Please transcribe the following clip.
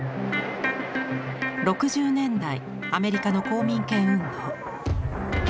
６０年代アメリカの公民権運動。